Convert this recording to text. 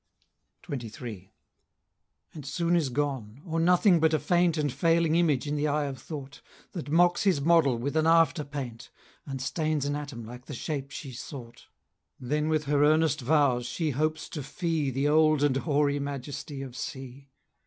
XXIII. And soon is gone, or nothing but a faint And failing image in the eye of thought, That mocks his model with an after paint, And stains an atom like the shape she sought; Then with her earnest vows she hopes to fee The old and hoary majesty of sea.